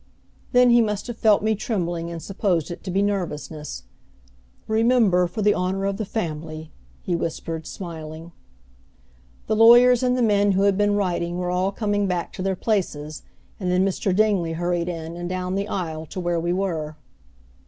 Then, he must have felt me trembling and supposed it to be nervousness. "Remember, for the honor of the family," he whispered, smiling. The lawyers and the men who had been writing were all coming back to their places; and then Mr. Dingley hurried in, and down the aisle to where we were.